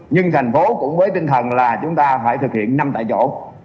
nhưng thành phố cũng với tinh thần là chúng ta phải thực hiện năm tại chỗ